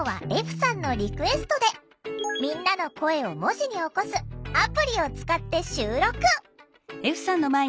歩さんのリクエストでみんなの声を文字に起こすアプリを使って収録！